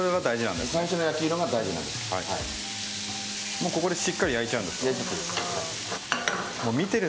もうここでしっかり焼いちゃうんですか。